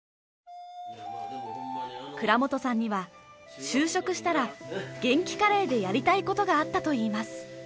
倉本さんには就職したらげんきカレーでやりたい事があったといいます。